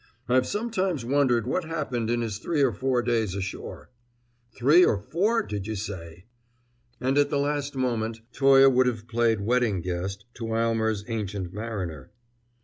I've sometimes wondered what happened in his three or four days ashore." "Three or four, did you say?" And at the last moment Toye would have played Wedding Guest to Aylmer's Ancient Mariner.